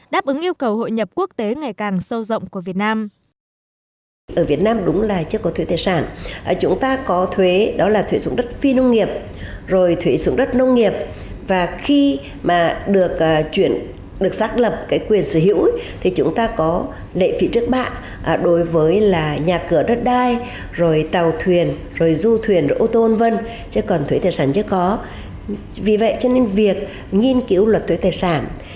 đáp ứng yêu cầu hội nhập quốc tế ngày càng sâu rộng của việt nam